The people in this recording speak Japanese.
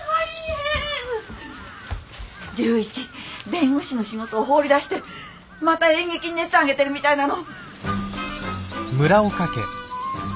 龍一弁護士の仕事を放り出してまた演劇に熱を上げてるみたいなの！